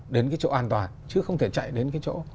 đến cái chỗ an toàn chứ không thể chạy đến cái chỗ